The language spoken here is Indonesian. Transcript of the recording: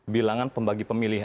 bilangan pembagi pemilih